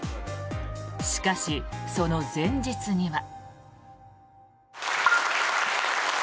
しかし、その前日には。